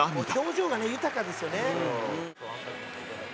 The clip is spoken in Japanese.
「表情がね豊かですよね」